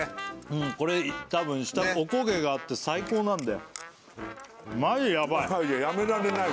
うんこれ多分下お焦げがあって最高なんだよ